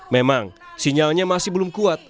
memang sinyalnya masih belum kuat